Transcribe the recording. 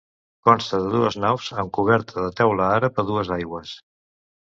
Consta de dues naus, amb coberta de teula àrab a dues aigües.